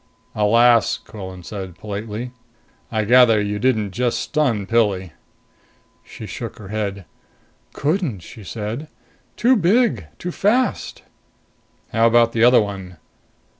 "Alas!" Quillan said politely. "I gather you didn't just stun Pilli?" She shook her head. "Couldn't," she said. "Too big. Too fast." "How about the other one?"